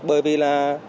bởi vì là